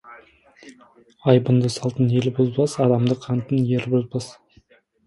Айбынды салтын ел бұзбас, адамдық антын ер бұзбас.